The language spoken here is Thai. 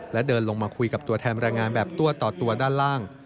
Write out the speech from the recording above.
และเดินลงมาคุยกับตัวแทนแรงงานแบบตัวต่อตัวด้านล่าง